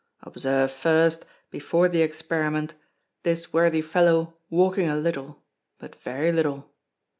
Observe first, before the experiment, this worthy fellow walking a little, but very little.